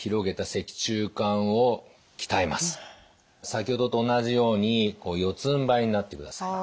先ほどと同じように四つんばいになってください。